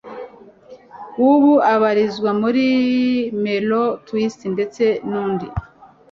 W ubu ubarizwa muri Melo Twist ndetse n'undi